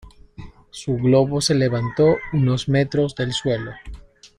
Su globo se levantó unos metros del suelo.